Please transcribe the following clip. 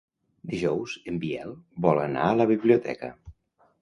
Dijous en Biel vol anar a la biblioteca.